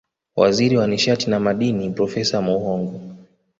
Waziri wa nishati na Madini Profesa Muhongo